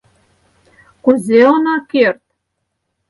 — Кузе она керт?